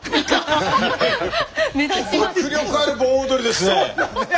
迫力ある盆踊りですね！